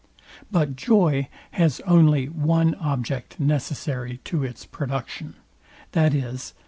But joy has only one object necessary to its production, viz.